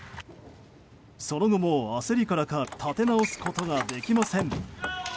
その後も焦りからか立て直すことができません。